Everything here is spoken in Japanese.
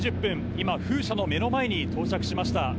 今、風車の目の前に到着しました。